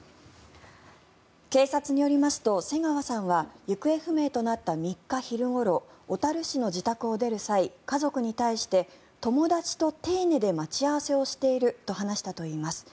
警察によりますと、瀬川さんは行方不明となった３日昼ごろ小樽市の自宅を出る際家族に対して友達と手稲で待ち合わせをしていると話したといいます。